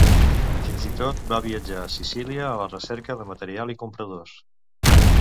Fins i tot va viatjar a Sicília a la recerca de material i compradors.